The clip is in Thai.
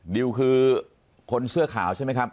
ดิวคือคนเสื้อขาวใช่ไหมครับ